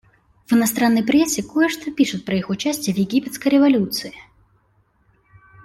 В иностранной прессе кое-что пишут про их участие в египетской революции.